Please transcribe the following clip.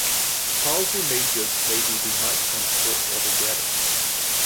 Powerful mages may be denied transport altogether.